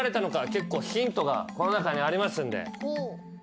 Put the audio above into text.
結構ヒントがこの中にありますんで。